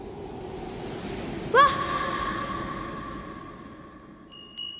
わっ！